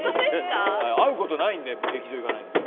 会うことないんで劇場行かないんで。